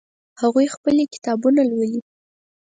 هغوی خپلې کتابونه لولي